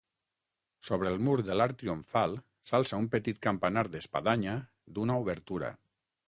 Sobre el mur de l'arc triomfal s'alça un petit campanar d'espadanya d'una obertura.